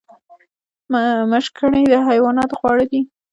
مشګڼې د حیواناتو خواړه دي